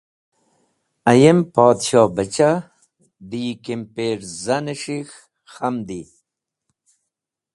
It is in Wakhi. Ayem Podshohbachah dẽ yi kimpirzan s̃hik̃h khamdi.